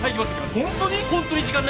本当に？